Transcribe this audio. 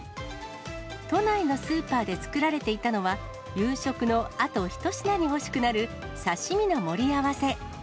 都内のスーパーで作られていたのは、夕食のあと一品に欲しくなる、刺身の盛り合わせ。